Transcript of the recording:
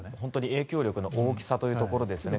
影響力の大きさというところですね。